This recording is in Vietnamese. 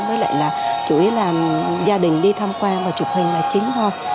với lại là chủ yếu là gia đình đi tham quan và chụp hình là chính thôi